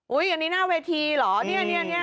อุ๊ยอันนี้หน้าเวทีเหรอนี่นี่